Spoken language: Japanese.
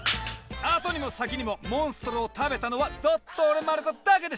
後にも先にもモンストロを食べたのはドットーレ・マルコだけでしょう！